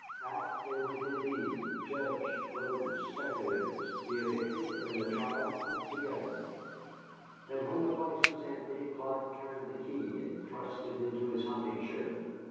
Out they went indeed, judge, brokers, speculators the evicted and the triumphant together. And when the place was empty Clark turned the key and thrust it into his hunting shirt.